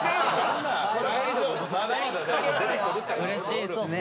うれしいっすね。